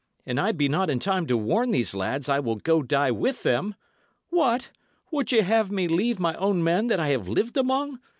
"An I be not in time to warn these lads, I will go die with them. What! would ye have me leave my own men that I have lived among.